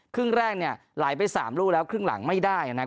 ครึ่งแรกเนี่ยไหลไป๓ลูกแล้วครึ่งหลังไม่ได้นะครับ